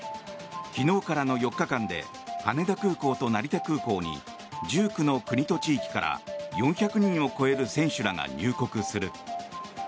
昨日からの４日間で羽田空港と成田空港に１９の国と地域から４００人を超える選手らが入国する。